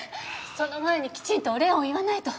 その前にきちんとお礼を言わないと。